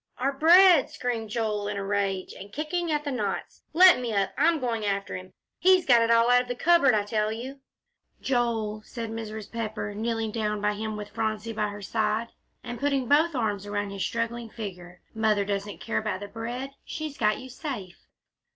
"Our bread!" screamed Joel, in a rage, and kicking at the knots. "Let me up! I'm going after him. He's got it all out of the cupboard, I tell you!" "Joel," said Mrs. Pepper, kneeling down by him, with Phronsie by her side, and putting both arms around his struggling figure, "Mother doesn't care about the bread; she's got you safe."